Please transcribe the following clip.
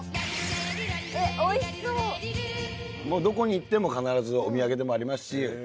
どこに行っても必ずお土産でもありますし。